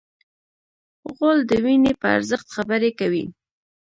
غول د وینې په ارزښت خبرې کوي.